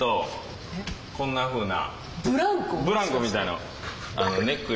こんなふうな。